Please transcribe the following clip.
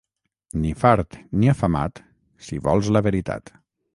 Ni fart ni afamat, si vols la veritat.